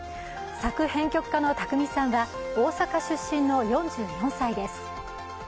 作編曲家の宅見さんは大阪出身の４４歳です。